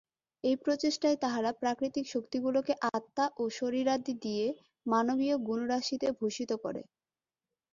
এই প্রচেষ্টায় তাহারা প্রাকৃতিক শক্তিগুলিকে আত্মা ও শরীরাদি দিয়া মানবীয় গুণরাশিতে ভূষিত করে।